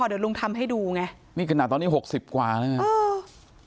เดี๋ยวลุงทำให้ดูไงนี่ขนาดตอนนี้หกสิบกว่าแล้วไงเออ